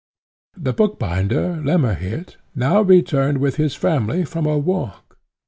The bookbinder, Lemmerhirt, now returned with his family from a walk.